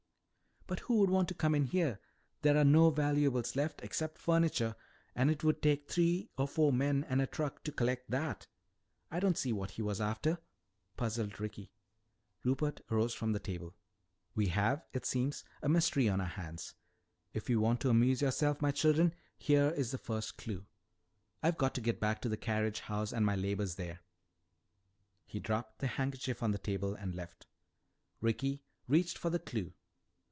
"But who would want to come in here? There are no valuables left except furniture. And it would take three or four men and a truck to collect that. I don't see what he was after," puzzled Ricky. Rupert arose from the table. "We have, it seems, a mystery on our hands. If you want to amuse yourselves, my children, here's the first clue. I've got to get back to the carriage house and my labors there." He dropped the handkerchief on the table and left. Ricky reached for the "clue."